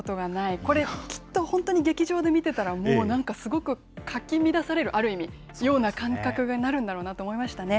これ、本当に劇場で見てたら、もうなんかすごくかき乱される、ある意味、ような感覚になるんだろうなと思いましたね。